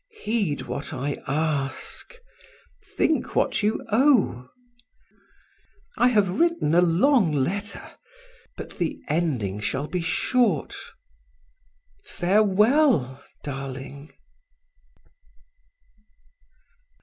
Heed what I ask; think what you owe. I have written a long letter, but the ending shall be short. Farewell, darling!